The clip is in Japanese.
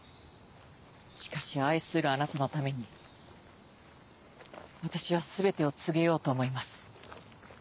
しかし愛するあなたのために私は全てを告げようと思います。